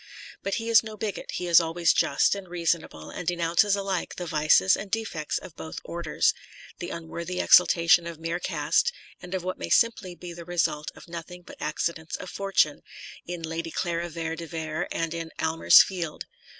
But he is no bigot, he is always just and reasonable and denounces alike the vices and defects of both orders, the unworthy exaltation of mere caste and of what may simply be the result of nothing but accidents of fortune in " Lady Clara Vere de Vere," and in " Aylmer's Field."